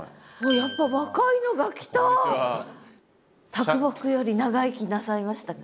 啄木より長生きなさいましたか？